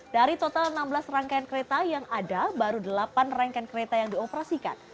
dari total enam belas rangkaian kereta yang ada baru delapan rangkai kereta yang dioperasikan